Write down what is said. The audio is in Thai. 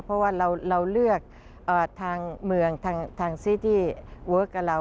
เพราะว่าเราเลือกทางเมืองทางเมืองกับเรา